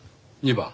２番？